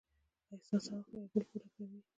احساس او عقل یو بل پوره کوي.